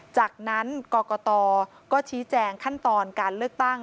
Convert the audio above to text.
จากนั้นกรกตก็ชี้แจงขั้นตอนการเลือกตั้ง